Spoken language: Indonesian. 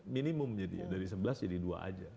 minimum jadi ya dari sebelas jadi dua aja